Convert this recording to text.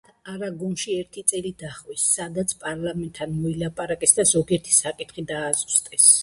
მათ არაგონში ერთი წელი დაჰყვეს, სადაც პარლამენტთან მოილაპარაკეს და ზოგიერთი საკითხი დააზუსტეს.